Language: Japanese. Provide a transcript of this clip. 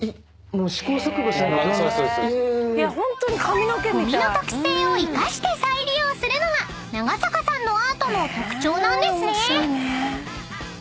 ［ゴミの特性を生かして再利用するのが長坂さんのアートの特徴なんですね］